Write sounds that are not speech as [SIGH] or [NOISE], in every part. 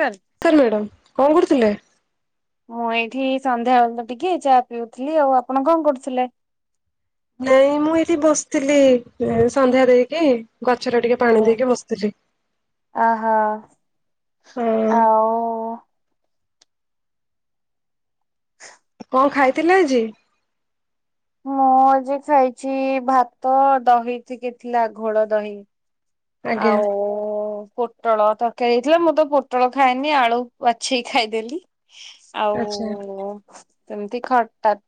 Sir. Sir madam କଣ କରୁଥିଲେ? ମୁଁ ଏଇଠି ସନ୍ଧ୍ୟାବେେଳ ତ ଟିକେ ଚା ପିଉଥିଲି ଆଉ। ଆପଣ କଣ କରୁଥିଲେ? ନାଇଁ ମୁଁ ଏଇଠି ବସିଥିଲି ସନ୍ଧ୍ୟା ଦେଇକି ଗଛରେ ଟିକେ ପାଣି ଦେଇକି ବସିଥିଲି। ଅହୋ ହଁ ଆଉ [INAUDIBLE] କଣ ଖାଇଥିଲେ ଆଜି? ମୁଁ ଆଜି ଖାଇଛି ଭାତ, ଦହି ଟିକେ ଥିଲା ଘୋଡ ଦହି। ଆଜ୍ଞା ଆଉ ଓ ପୋଟଳ ତରକାରୀ ହେଇଥିଲା ମୁଁ ତ ପୋଟଳ ଖାଇଏନି ଆଳୁ ବାଛେଇକି ଖାଇଦେଲି। [INAUDIBLE] ଆଉ ସେମିତି ଖଟାତ୍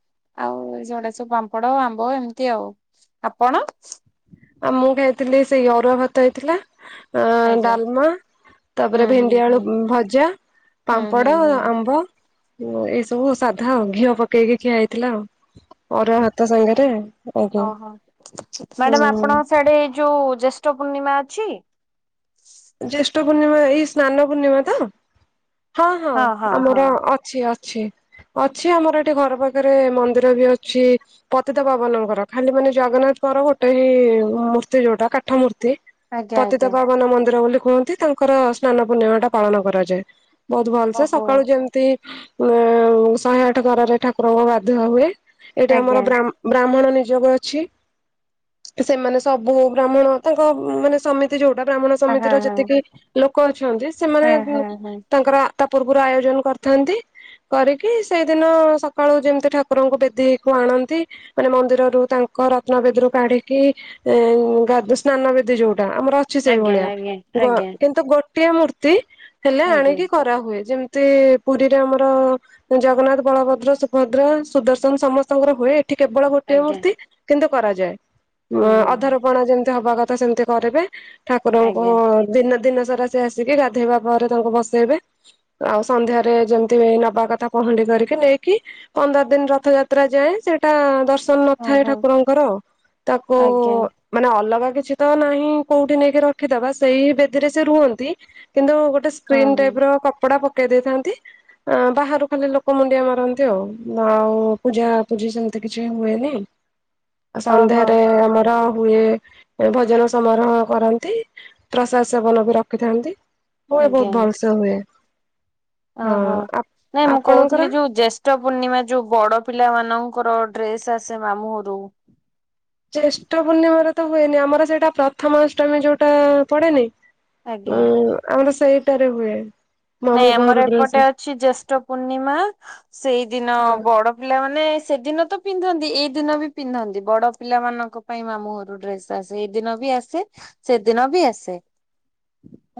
ଆଉ ଏ ଯଉୁଡା ସବୁ ପାମ୍ପଡ ଆମ୍ବ ଏମିତି ଆଉ। ଆପଣ ଆଉ ମୁଁ ଖାଇଥିଲି ସେଇ ଅରୁଆ ଭାତ ହେଇଥିଲା ଅ ଆଜ୍ଞା ଡାଲମା। ତାପରେ ହୁଁ ହୁଁ ଭେଣ୍ଡି ହୁଁ ଆଳୁ ଭଜା, ହୁଁ ହୁଁ ପାମ୍ପଡ, ହୁଁ ଆମ୍ବ। ହ ଏଇସବୁ ସାଧା ଆଉ ଘିଅ ପକେଇକି ଖିଆ ହେଇଥିଲା ଆଉ। ଅରୁଆ ଓହୋ ଭାତ ସାଙ୍ଗରେ ଆଜ୍ଞା ହୁଁ। ସେଡେ ଏଇ ଯୋଉ ଜ୍ୟେଷ୍ଠ ପୂର୍ଣ୍ଣିମା ଅଛି? ଜ୍ୟେଷ୍ଠ ପୂର୍ଣ୍ଣିମା ଏଇ ସ୍ନାନ ପୂର୍ଣ୍ଣିମା ତ ହଁ ହଁ ଆମର ଅଛି। ଅଛି ଅଛି ଆମର ଏଠି ଘର ପାଖରେ ମନ୍ଦିର ବି ଅଛି। ପତିତା ପାବନଙ୍କର ଖାଲି ମାନେ ଜଗନ୍ନାଥଙ୍କର ଗୋଟେ ହ ମୂର୍ତ୍ତି ଯୋଉଟା କାଠ ମୂର୍ତ୍ତି। ଆଜ୍ଞା ପତିତା ଆଜ୍ଞା। ପବାନ ମନ୍ଦିର ବୋଲି କୁହନ୍ତି ତାଙ୍କର ସ୍ନାନ ପୂର୍ଣ୍ଣିମାଟା ପାଳନ କରାଯାଏ। ବହୁତ ଭଲ ସେ ଓହୋ ସକାଳୁ ଯେମିତି ଶହେ ଆଠ ଗରାରେ ଠାକୁରଙ୍କୁ ଗାଧୁଆ ହୁଏ। ଏଇଠି ଆଜ୍ଞା ଆମରା ବ୍ରାହ୍ମଣ ନିଯୋଗ ଅଛି। ସେମାନେ ସବୁ ବ୍ରାହ୍ମଣ ତାଙ୍କ ମାନେ ସମିତି ଯୋଉଟା ବ୍ରାହ୍ମଣ ହଁ ସମିତିର ହଁ ଯେତିକି ଲୋକ ଅଛନ୍ତି ସେମାନେ ହଁ ହଁ ହଁ ହଁ ତାଙ୍କର ତା ପୂର୍ବରୁ ଆୟୋଜନ କରିଥାନ୍ତି। କରିକି ସେଇଦିନ ସକାଳୁ ଯେମିତି ଠାକୁରଙ୍କୁ ବେଦୀକୁ ଆଣନ୍ତି। ମାନେ ମନ୍ଦିରରୁ ତାଙ୍କ ରତ୍ନବେଦୀରୁ କାଢିକି ଏ ସ୍ନାନବେଦି ଯୋଉଟା ଆମର ଅଛି ଆଜ୍ଞା ସେଇଭଳିଆ। ଆଜ୍ଞା ଗ ଆଜ୍ଞା ଗୋଟିଏ ମୂର୍ତ୍ତି ହେଲେ ଆଜ୍ଞା ଆଣିକି କରାହୁଏ ଯେମିତି ସେ ପୁରୀରେ ଆମର ଜଗନ୍ନାଥ ବଳଭଦ୍ର ସୁଭଦ୍ରା ସୁଦର୍ଶନ ସମସ୍ତଙ୍କର ହୁଏ। ଏଠି କେବଳ ଗୋଟଏ ଆଜ୍ଞା ମୂର୍ତ୍ତି କିନ୍ତୁ କରାଯାଏ ହୁଁ ହୁଁ ଅଧରପଣା ଯେମିତି ହବା କଥା ସେମିତି ଘରେବେ ଠାକୁର ଆଜ୍ଞା। ଦିନ ଦିନ ସାରା ସେ ଆସିକି ଗାଧେଇବା ପରେ ତାଙ୍କୁ ବସେଇବେ। ଆଉ ସନ୍ଧ୍ୟାରେ ଯେମିତି ନବା କଥା ପହଁଣ୍ଡି କରିକି ନେଇକି ପନ୍ଦର ଦିନ ରଥଯାତ୍ରା ଯାଏଁ ସେ ଟା ଦର୍ଶନ ନଥାଏ ଓହୋ ଠାକୁରଙ୍କର ତାକୁ ଆଜ୍ଞା ମାନେ ଅଲଗା କିଛି ତ ନାହିଁ କୋଉଠି ନେଇକି ରଖିଦବା ସେଇ ବେଦୀରେ ସେ ରୁହନ୍ତି। କିନ୍ତୁ ଗୋଟେ ହଁ ସ୍କ୍ରିନ୍ ହଁ ଟାଇପର କପଡା ପକେଇ ଦେଇଥାନ୍ତି। ଆ ବାହାରୁ ଖାଲି ଲୋକ ମୁଣ୍ଡିଆ ମାରନ୍ତି ଆଉ ଆଉ ପୂଜାପୂଜି ସେମିତି କିଛି ହୁଏନି। ଓହୋ ସନ୍ଧ୍ୟାରେ ଆମର ହୁଏ ଭଜନ ସମାରୋହ କରନ୍ତି। ପ୍ରସାଦ ସେବନ ବି ରଖିଥାନ୍ତି ହୁଏ ଆଜ୍ଞା ବହୁତ ଭଲସେ ହୁଏ। ହଁ। ଓହୋ ଆ ନାଇଁ ମୁଁ ଆପଣଙ୍କର? କହୁଥିଲି ଯୋଉ ଜେସ ଷ୍ଟ ପୂର୍ଣ୍ଣିମା ଯୋଉ ବଡ ପିଲାମାନଙ୍କର ଡ୍ରେସ ଆସେ ମାମୁଁ ଘରୁ। ଜେଷ୍ଠ ପୂର୍ଣ୍ଣିମାରେ ତ ହୁଏନି ଆମର ସେଇଟା ପ୍ରଥମାଷ୍ଟମୀ ଯୋଉଟା ପଡେନି? ହଁ ଆଜ୍ଞା। ଆମର ସେଇଟାରେ ହୁଏ। ନାଇଁ ମାମୁଁଙ୍କ ଘର ଆମର ଡ୍ରେସ ଏପଟେ ଅଛି ଜେଷ୍ଠ ପୂର୍ଣ୍ଣିମା ସେଇଦିନ ହଁ। ବଡ ପିଲାମାନେ ସେଦିନ ତ ପିନ୍ଧନ୍ତି ଏଇ ଦିନ ବି ପିନ୍ଧନ୍ତି ବଡ ପିଲାମାନଙ୍କ ପାଇଁ ମାମୁଘରୁ ଡ୍ରେସ ସେ ଏଇଦିନ ବି ଆସେ ସେଦିନ ବି ଆସେ।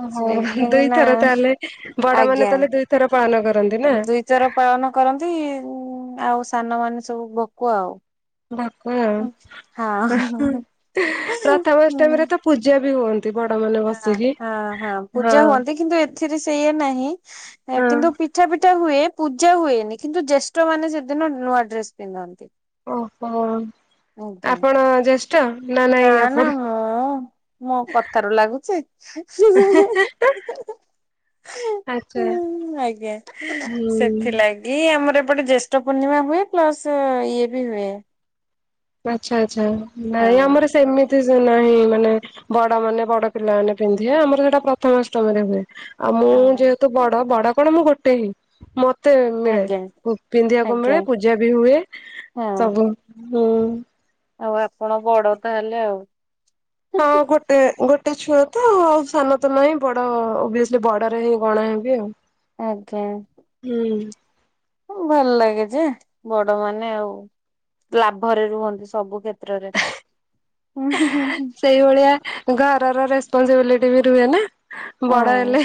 ଓହୋ କାହିଁକି ନା ଦୁଇଥର ତାହେଲେ ବଡ ମାନେ ଆଜ୍ଞା ତାହେଲେ ଦୁଇଥର ପାଳନ କରନ୍ତି ନା? [UNINTELLIGIBLE] ପାଳନ କରନ୍ତି ଉ ଆଉ ସାନମାନେ ସବୁ ଭକୁଆ ଆଉ। ଭକୁଆ ଆଉ ହଁ ହଁ ପ୍ରଥମାଷ୍ଟମୀରେ ତ ପୂଜା ବି ହୁଅନ୍ତି। [UNINTELLIGIBLE] ବଡମାନେ ହଁ ହଁ ହଁ ପୂଜା ହୁଅନ୍ତି କିନ୍ତୁ ଏଥିରେ ସେଇଆ ନାହିଁ ହଁ କିନ୍ତୁ ପିଠା ପିଠ ହୁଏ ପୂଜା ହୁଏନି କିନ୍ତୁ ଜ୍ୟେଷ୍ ମାନ ସେଦିନ ନୂଆ ଡ୍ରେସ ପିନ୍ଧନ୍ତି। ଓହୋ। ଆଜ୍ଞା ଆପଣ ଜ୍ୟେଷ୍ଠ ନା ନାଇଁ ନା ଆପଣ ମୁଁ ମୋ କଥାରୁ ଲାଗୁଛି। [UNINTELLIGIBLE] ଆଚ୍ଛା [UNINTELLIGIBLE] ଆଜ୍ଞା ହୁଁ ସେଥିଲାଗି ଇ ଆମର ଏପଟେ ଜ୍ୟେଷ୍ଠ ପୂର୍ଣ୍ଣିମା ହୁଏ ପ୍ଲସ ଇଏ ବି ହୁଏ। ଆଚ୍ଛା ଆଚ୍ଛା ନାଇଁ ହଁ ଆମର ସେମିତି ସେ ନାହିଁ ମାନେ ବଡମାନେ ବଡ ପିଲାମାନେ ପିନ୍ଧିବେ ଆମର ସେଟା ପ୍ରଥମାଷ୍ଟମୀରେ ହୁଏ। ଆଉ ମୁଁ ହଁ ଯେହେତୁ ବଡ ବଡ କଣ ମୁଁ ଗୋଟେ ହିଁ ମ କେତେ ମିଳେ ଆଜ୍ଞା ପିନ୍ଧିବାକୁ ଆଜ୍ଞା ମିଳେ ପୂଜା ବି ହୁଏ ହଁ। ସବୁ ହୁ ଆଉ ଆପଣ ବଡ ତାହେଲେ ଆଉ। ହଁ ଗୋ ଗୋଟେ ଛୁଆ ତ ଆଉ ସାନ ତ ନାହିଁ ବଡ ଓଭିଅସଲି ବଡରେ ହଇଁ ଗଣା ହେବି ଆଉ। ଆଜ୍ଞା। ହୁଁ। ଭଲ ଲାଗେ ଯେ ବଡମାନେ ଆଉ। ଲାଭରେ ରୁହନ୍ତି ସବୁ କ୍ଷେତ୍ରରେ। [UNINTELLIGIBLE] ସେଇଭଳିଆ ଘରର ରେସପନସିବିଲିଟି ବି ରୁହେ ନା। ବଡ ଆଜ୍ଞା ହେଲେ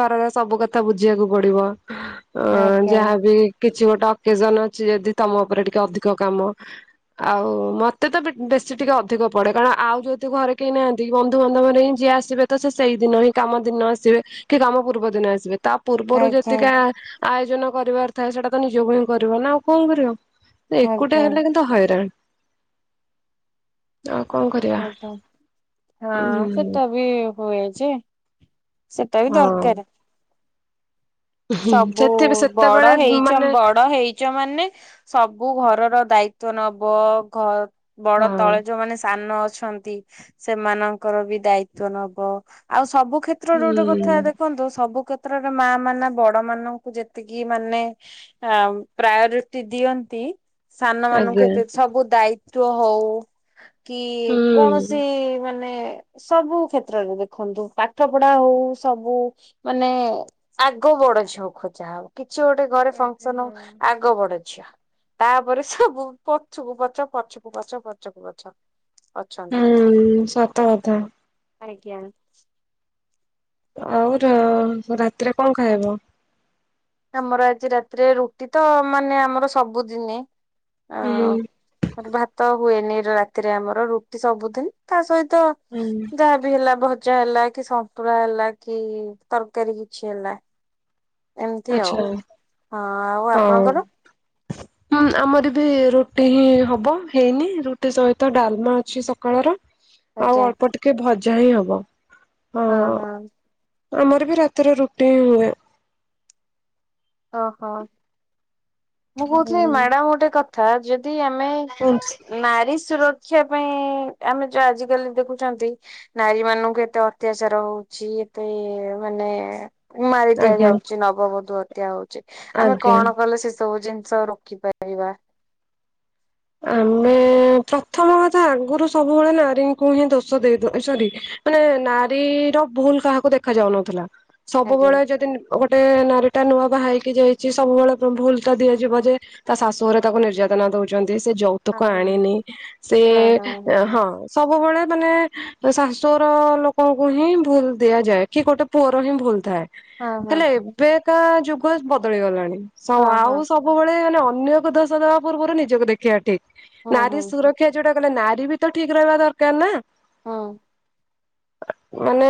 ଘରର ସବୁ କଥା ବୁଝିବାକୁ ପଡିବ। ଅ ଆଜ୍ଞା ଯାହାବି କିଛି ଗୋଟେ ଅକେଜନ ଅଛି ଯଦି ତମ ଉପରେ ଟିକେ ଅଧିକ କାମ। ଆଉ ମତେ ତ ବେଶୀ ଟିକେ ଅ ଅଧିକ ପଡ଼େ କାରଣ ଆଉ ଯେହେତୁ ଘରେ କେହି ନାହାନ୍ତି ବନ୍ଧୁବାନ୍ଧବ ରେ ହିଁ ଯିଏ ସେ ତ ସେଇଦିନ ହିଁ କାମ ଦିନ ଆସିବେ କି କାମ ପୂର୍ବ ଦିନେ ଆସିବେ ତା ପୂର୍ବରୁ ଯେତିକା ଆଜ୍ଞା ଆୟୋଜନ କରିବାର ଥାଏ ସେଇଟା ତ ନିଜକୁ ହିଁ କରିବ ନା ଆଉ କଣ କରିବ। ଏକୁଟିଆ ହେଲେ କିନ୍ତୁ ହଇରାଣ। ଆଉ କଣ କରିଆ। ହ ତ ହଁ ସେଟା ବି ହୁଏ ଯେ ସେଟା ବି ହଁ ଦରକାର। ସବୁ ସେଥି ବଡ ସେତେବେଳେ ହେଇଚ ମାନେ ବଡ ହେଇ ଚ ମାନେ ସବୁ ଘରର ଦାୟିତ୍ୱ ନବ ଘ ହଁ ବଡ ତଳେ ଯୋଉମାନେ ସାନ ଅଛନ୍ତି ସେମାନଙ୍କର ବି ଦାୟିତ୍ଵ ନବ ଆଉ ସବୁ କ୍ଷେ ତ୍ର ର ଗୋଟେ କଥା ହୁଁ ଦେଖନ୍ତୁ ସବୁ କ୍ଷେତ୍ରରେ ମା ମାନେ ବ ପା ମାନଙ୍କୁ ଯେତିକି ମାନେ ଆଁ ପ୍ରାୟୋରିଟି ଦିଅନ୍ତି ସାନ ମାନଙ୍କୁ ଆଜ୍ଞା ଏତେ ସବୁ ଦାୟିତ୍ଵ ହଉ କି ହୁଁ। କୌଣସି ମାନେ ସବୁ କ୍ଷେତ୍ରରେ ଦେଖନ୍ତୁ ପାଠ ପଡ଼ା ହଉ ସବୁ ମାନେ ଆଗ ବଡ ଝିଅ ଖୋଜା ହବ କିଛି ଗୋଟେ ଘରେ ଆଜ୍ଞା ଫଙ୍କସନ ହଁ। ଆ ଗ ବଡ ଝିଅ ତାପରେ ସବୁ ପଛକୁ ପଛ ପଛକୁ ପଛ ପଛକୁ ପଛ। ଅଛନ୍ତି ହୁଁ ସତ କଥା ଆଜ୍ଞା। ଆଉ ର ରାତିରେ କଁ ଖାଇବ? ଆମର ଆଜି ରାତିରେ ରୁଟି ତ ମାନେ ଆମର ସବୁଦିନେ। ହୁଁ। ମତେ ଭାତ ହୁଏନି ରାତିରେ ଆମର ରୁଟି ସବୁଦିନ ତା ସହିତ ହୁଁ ଯାହା ବି ହେଲା ଭଜା ହେଲା କି ସନ୍ତୁଳା ହେଲା କି ତରକାରୀ କିଛି ହେଲା ଏମ୍ ତି ଆଉ ଆଚ୍ଛା ହଁ ଆଉ ଆପଣଙ୍କର? ହଁମ୍ ଆମର ବି ରୁଟି ହିଁ ହବ ହେଇନି ରୁଟି ସହିତ ଡାଲ୍‌ମା ଅଛି ସ କଳର ଆଉ ଆଜ୍ଞା ଅଳ୍ପ ଟିକେ ଭଜା ହିଁ ହବ ହଁ। ଆମର ବି ରାତିରେ ରୁଟି ହିଁ ହୁଏ। ଅ ହ। ମୁଁ କହୁଥିଲି ମ୍ୟାଡ। ମ ଗୋଟେ କଥା ଯଦି ଆମେ କୁହନ୍ତୁ ନାରୀ ସୁର ଖିଆ ପାଇଁ ଆମେ ଯୋଉ ଆଜିକାଲି ଦେଖୁଚନ୍ତି ନାରୀ ମାନଙ୍କୁ ଏତେ ଅତ୍ୟାଚାର ହଉଛି ଏତେ ମାନେ ମାରି ଆଜ୍ଞା ଦିଆଯାଉଚି ନବବଧୂ ହତ୍ୟା ହଉଚି ଆମେ ଆଜ୍ଞା। କଣ କଲେ ସେ ସବୁ ଜିନିଷ ରୋକିପାରିବା। ଆମେ ପ୍ରଥମ କଥା ଆଗୁରୁ ସବୁବେଳେ ନାରୀଙ୍କୁ ହିଁ ଦୋଷ ଦେଇଦଉ ଏ ସରି ମାନେ ନାରୀର ଭୁଲ୍‌ କାହାକୁ ଦେଖା ଯାଉନଥିଲା ଆଜ୍ଞା। ସବୁବେଳେ ଯଦି ଅ ଗୋଟେ ନାରୀ ଟା ନୂଆ ବାହା ହେଇକି ଯାଇଚି ସବୁବେଳେ କଁ ଭୁଲଟା ଦିଆଯିବ ଯେ ତା ଶାଶୁଘରେ ତାକୁ ନିର୍ଯାତନା ଦଉଚନ୍ତି ସେ ହଁ ଯୌତୁକ ହଁ ଆଣିନି ସେ ହଁ ହଁ ଏ ହଁ ସବୁବେଳେ ମାନେ ଶାଶୁ ଘର ଲୋକଙ୍କୁ ହିଁ ଭୁଲ୍‌ ଦିଆଯାଏ କି ଗୋଟେ ପୁଅର ହିଁ ଭୁଲ୍‌ ଥାଏ। ହଁ ହେଲେ ହଁ। ଏବେକା ଯୁଗ ବଦଳି ଗଲାଣି ସ ହଁ ଆଉ ହଁ ସବ୍ ବୁବେଳେ ମାନେ ଅନ୍ୟକୁ ଦୋଷ ଦବା ପୂର୍ବୁରୁ ନିଜକୁ ଦେଖି ଆ ଠିକ୍ ହଁ ହଁ ନାରୀ ହଁ ସୁରକ୍ଷା ଯୋଉଡା ଗୋଟେ ନାରୀ ବି ତ ଠିକ୍ ରହିବା ଦରକାର ନା। ହଁ। ମାନେ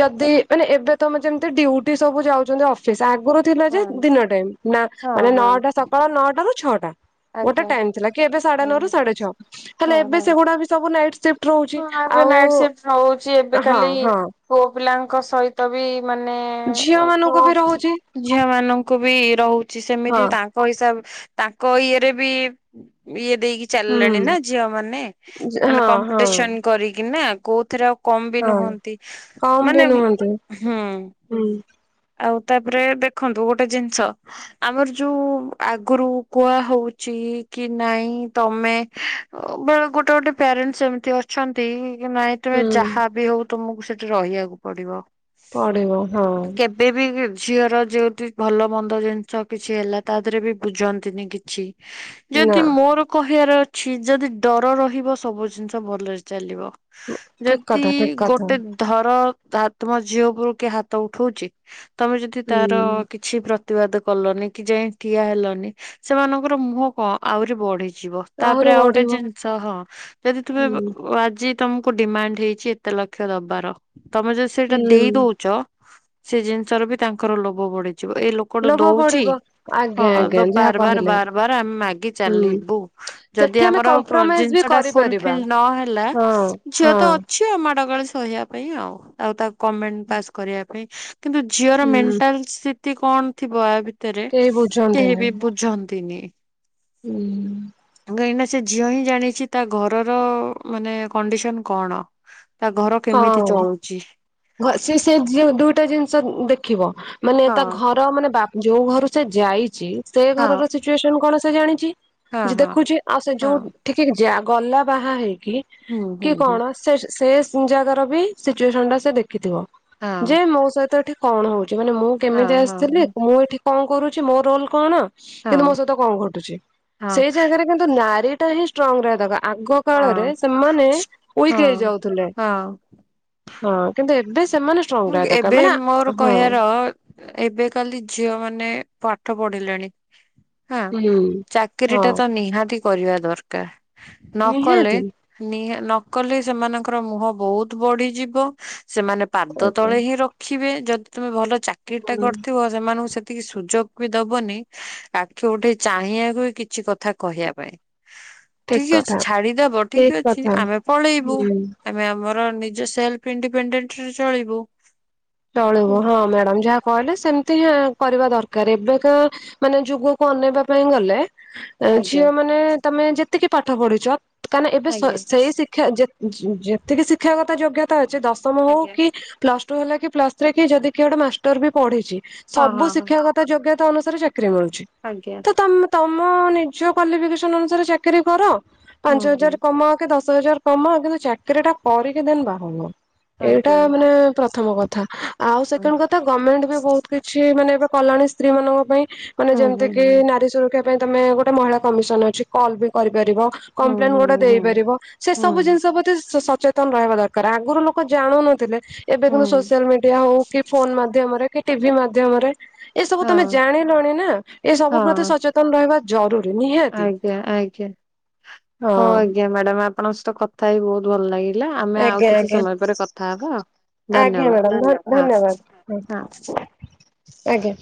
ଯଦି ମାନେ ଏବେ ତମେ ଯେମ୍ ତି ଡ୍ୟୁଟି ସବୁ ଯାଉଚନ୍ତି ଅଫିସ ଆଗୁରୁ ତିଲା ଯେ ହଁ ଦିନ ଟାଇମ୍ ନା ହଁ ମାନେ ହଁ ନଅଟା ସକାଳ ନଅଟାରୁୁ ଛଅଟା। ଗୋଟେ ଆଜ୍ଞା ଟାଇମ ଥିଲା କି ଏବେ ସାଢେ ହଁ ନଅରୁ ହଁ ହଁ। ସାଢେ ଛଅ ହେଲେ ଏବେ ହଁ ସେଗୁଡା ବି ସବୁ ନାଇଡ୍‌ ସିଫ୍ଟ। ରହୁଛି ହଁ ଆବେ ଆଉ ନାଇଟ ସିଫ୍ଟ ରହୁଚି ଏବେ ହଁ କାଲି ହଁ ପୁଅ ପିଲାଙ୍କ ସହିତ ବି ମାନେ ଝିଅ ଅ ମାନଙ୍କୁ ପୁଅ ବି ରହୁଛି ଝିଅ ମାନଙ୍କୁ ବି ରହୁଚି ହଁ ସେମିତି ତାଙ୍କ୍ ପଇସା ତାଙ୍କ ଇଏରେ ବି ଇଏ ଦେଇକି ହୁଁ ଚାଲ୍‌ଲେଣି ନା ଝିଅ ମାନେ ମାନେ ହଁ ହଁ କମ୍ପିଟିସନ କରିକି ନା କୋଉଥିରେ ଆଉ କମ୍ ବି ହଁ ନୁହନ୍ତି କମ ବି ମାନେ ଉ ନୁହନ୍ତି ହୁଁ। ହୁଁ ଆଉ ତାପରେ ଦେଖନ୍ତୁ ଗୋଟେ ଜିନ୍ ଷ ଆମର ଯୋଉ ଆଗୁରୁ କୁଆ ହଉଚି କି ନାଇଁ ତମେ ଅ ବେଳେ ଗୋଟେ ଗୋଟେ ପ୍ୟାରେଣ୍ଟସ୍‌ ସେମି ତି ଅଛନ୍ତି କି ନାଇଁ ତୁମେ ହୁଁ ଯାହା ବି ହଉ ତୁମୁକୁ ସେଠି ରହିଆକୁ ପଡିବ। ପଢିବ ହଁ। ଏବେ ବି ଝିଅର ଯେ ଭଲ ମନ୍ଦ ଜିନିଷ କିଛି ହେଲା ତା ଦେହରେ ବି ବୁଝନ୍ତିନି କିଛି। ଁ ନା ଯଦି ମୋର କହିବାର ଅଛି ଯଦି ଡର ରହିବ ସବୁ ଜିନିଷ ଭଲରେ ଚାଲିବ। ଠିକ ଯଦି କଥା ଠିକ କଥା ଗୋଟେ ଧର ତମ ଝିଅ ଉପରୁ କିଏ ହାତ ଉଠଉଛି ତମେ ଯଦି ତାର ହୁଁ କିଛି ପ୍ର ତିବାଦ କଲନି କି ଯାଇ ଠିଆ ହେଲନି ସେମାନଙ୍କର ମୁହଁ କ ଆହୁରି ବଢିଯିବ। ତାପରେ ଆହୁରି ଆଉ ଗୋଟେ ବଢିବ ଜିନିଷ ହଁ ଯଦି ତୁମେ ହୁଁ। ଓ ଆଜି ତମକୁ ଡିମାଣ୍ଡ ହେଇଛି ଏତେ ଲକ୍ଷ ଦବାର ତମେ ଯ ସେଇଟା ଦେଇ ଦଉଛ ସେ ଜିନିଷରେ ବି ତାଙ୍କର ଲୋଭ ବଢିଯିବ ଏ ଲୋ କୋଟୁ ଲୋଭ ଦଉଛି ପଡିବ ହଁ ଆଜ୍ଞା ତ ଆଜ୍ଞା ଯାହା ବାର ବାର କହିଲେ ବାର ବାର ଆମେ ମାଗି ହୁଁ ଚାଲିବୁ। ଯଦି ସେଠି ଆମେ ଆମର କମ୍ପ୍ରମାଇଜ ବି ଜିନିଷ ଟା ଫୁଲ କରିପାରିବା ଫିଲ୍ ନହେଲା ହଁ ଝିଅ ହଁ ତ ଅଛି ଆ ମାଡ ଗାଳି ସହିବା ପାଇଁ ଆଉ ଆଉ ତାକୁ କମେଣ୍ଟ ପାସ କରିବା ପାଇଁ। କିନ୍ତୁ ଝିଅର ହୁଁ ମେଣ୍ଟାଲ ସ୍ଥିତି କଣ ଥିବ ଆ ଭିତରେ କେହି କେହି ବୁଝନ୍ତିନି ବି ବୁଝନ୍ତିନି। ହୁଁ। କାହିଁକିନା ସେ ଝିଅ ହିଁ ଜାଣିଛି ତା ଘରର ମାନେ କଣ୍ଡିସନ କଣ? ତା ଘର କେମିତି ହଁ। ଚଳୁଛି? ସେ ସେ ଦୁଇଟା ଜିନିଷ ଦେଖିବ ମାନେ ହଁ ତା ଘର ମାନେ ବା ଯୋଉ ଘରୁ ସେ ଯାଇଛି ସେ ହଁ ଘରର ସିଚୁଏସନ କଣ ସେ ଜାଣିଛି। ହଁ ଯେ ହଁ ଦେଖୁଛି ଆଉ ସେ ଯୋଉ ହଁ। ଠିକି ଗଲା ବାହା ହେଇକି ହୁଁ ହୁଁ କି ହୁଁ କଣ ସେ ସେ ଜାଗାର ବି ସିଚୁଏସନ ଟା ସେ ଦେଖିଥିବ ଯେ ହଁ ମୋ ସହିତ କଣ ହଉଛି ମାନେ ମୁଁ ହଁ କେମିତି ଆସିଥିଲି ହଁ ମୁଁ ଏଠି କଣ କରୁଛି ମୋ ରୋଲ କଣ? କିନ୍ତୁ ହଁ ମୋ ସହିତ କଣ ଘଟୁଛି ହଁ ସେଇ ଜାଗାରେ କିନ୍ତୁ ନାରୀ ଟା ହିଁ ଷ୍ଟ୍ରଙ୍ଗ ରହ ଦ ଆଗ ହଁ। କାଳରେ ସେମାନେ ୱିକ ହଁ ହେଇ ଯାଉଥିଲେ। ହଁ ହଁ କିନ୍ତୁ ଏବେ ସେମାନେ ଷ୍ଟ୍ରଙ୍ଗ ରହିବା ଦରକାର ଏବେ ମାନେ ମୋର ହଁ କହିବାର ଏବେ କାଲି ଝିଅ ମାନେ ପାଠ ପଢିଲେଣି ହଁ ହୁଁ ଚାକିରି ଟା ହଁ ତ ନିହାତି କରିବା ଦରକାର। ନ କଲେ ନିହାତି ନି ନ କଲେ ସେମାନଙ୍କର ମୁହଁ ବହୁତ ବଢିଯିବ ସେମାନେ ପା ଦ ଆଜ୍ଞା ତଳେ ହିଁ ରଖିବେ ଯଦି ତୁମେ ଭଲ ଚାକିରୀ ଟା ହୁଁ କରିଥିବ ସେମାନଙ୍କୁ ସେତିକି ସୁଯୋଗ ବି ଦବନି ଆଖି ଉଠେଇ ଚାହିଁବାକୁ କିଛି କଥା କହିବା ପାଇଁ। ଠିକ ଅଛି ଛାଡିଦବ ଠିକ ଅଛି ଆମେ ପଳେଇବୁ। ହୁଁ ଆମେ ଆମର ନିଜ ସେଲଫ ଇଣ୍ଡିପେଣ୍ଡେଣ୍ଟରେ ଚଳିବୁ। ଚଳିବୁ ହୁଁ ହଁ ମ୍ୟାଡାମ ଯାହା କହିଲେ ସେମିତି ହଁ କରିବା ଦରକାର ଏବେକା ମାନେ ଯୁଗକୁ ଅନେଇବା ପାଇଁ ଗଲେ ଆଜ୍ଞା ଝିଅ ମାନେ ତମେ ଯେତିକି ପାଠ ପଢୁଛ କାହିଁକିନା ଏବେ ଆଜ୍ଞା ସେଇ ଶି ଯେତିକି ଶିକ୍ଷାଗତ ଯୋଗ୍ୟତା ଅଛି ଦଶମ ହଉ ଆଜ୍ଞା କି ପ୍ଲସ ଟୁ ହେଲା କି ପ୍ଲସ ଥ୍ରୀ କି ଯଦି କି ଗୋଟେ ମାଷ୍ଟର ବି ପଢିଛି ହଁ ସବୁ ହଁ ହଁ ଶିକ୍ଷକତ ଯୋଗ୍ୟତା ଅନୁସାରେ ଚାକିରି ମିଳୁଛି। ଆଜ୍ଞା। ତ ତମ ନିଜ କ୍ଵାଲିଫିକେସନ ଅନୁସାରେ ଚାକିରି କର। ପାଞ୍ଚ ହୁଁ ହୁଁ ହଜାର କମାଅ କି ଦଶ ହଜାର କମା କିନ୍ତୁ ଚାକିରି ଟା କରିକି [UNINTELLIGIBLE] ଏଇଟା ଆଜ୍ଞା ମାନେ ପ୍ରଥମ କ କଥା ଆଉ ହୁଁ ସେକେଣ୍ଡ କଥା ଗଭମେଣ୍ଟ ବି ବହୁତ କିଛି ମାନେ ଏବେ କଲାଣି ସ୍ତ୍ରୀ ମାନଙ୍କ ପାଇଁ ମାନେ ଯେମିତି ହୁଁ କି ହୁଁ ନାରୀ ସୁରକ୍ଷା ପାଇଁ ତମେ ଗୋଟେ ମହିଳା କମିଶନ ଅଛି କଲ ବି କରିପାରିବ। କମ୍ପ୍ଲେ ହୁଁ ଗୋଟେ ଦେ ହୁଁ ଦେଇପାରିବ ସେ ହୁଁ ସବୁ ହୁଁ ଜିନିଷ ପ୍ରତି ସଚେତନ ରହିବା ଦରକାର ଆଗରୁ ଲୋକ ଜାଣୁନଥିଲେ। ଏବେ କିନ୍ତୁ ହୁଁ ସୋସିଆଲ ମିଡିଆ ହଉ କି ଫୋନ ମାଧ୍ୟମରେ କି ଟିଭି ମାଧ୍ୟମରେ। ଏସବୁ ତମେ ହଁ ଜାଣିଲଣି ନା ଏ ସବୁ ପ୍ରତି ହଁ ସଚେତନ ତନ ରହିବା ଜରୁରୀ ନିହାତି ଆଜ୍ଞା ଆଜ୍ଞା ହଁ। ହଉ ଆଜ୍ଞା ମ୍ୟାଡାମ ଆପଣଙ୍କ ସହିତ କଥା ହ ବହୁତ ଭଲ ଲାଗିଲା ଆମେ ଆଉ ଆଜ୍ଞା କିଛି ଆଜ୍ଞା ସମୟ ପରେ କଥା ହବ। ଆଜ୍ଞା ମ୍ୟାଡ଼ାମ ଧ ହଁ ଧନ୍ୟବାଦ ଆଜ୍ଞା।